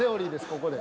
ここで。